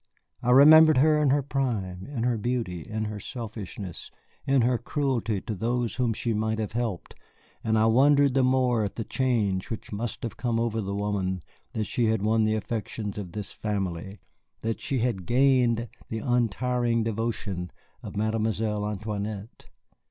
I remembered her in her prime, in her beauty, in her selfishness, in her cruelty to those whom she might have helped, and I wondered the more at the change which must have come over the woman that she had won the affections of this family, that she had gained the untiring devotion of Mademoiselle Antoinette.